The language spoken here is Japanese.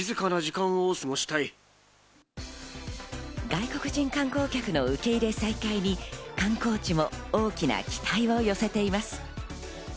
外国人観光客の受け入れ再開に観光地も大きな期待を寄せています。